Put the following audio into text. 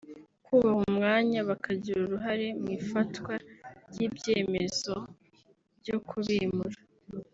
kubaha umwanya bakagira uruhare mu ifatwa ry’ibyemezo byo kubimura